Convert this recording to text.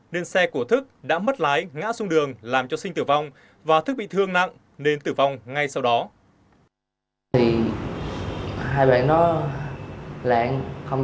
nên xe của thức đã mất lái ngã xuống đường làm cho sinh tử vong và thức bị thương nặng nên tử vong ngay sau đó